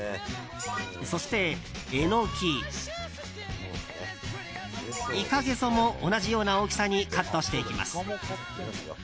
そしてエノキ、イカゲソも同じような大きさにカットしていきます。